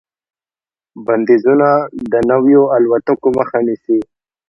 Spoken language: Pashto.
بندیزونه د نویو الوتکو مخه نیسي.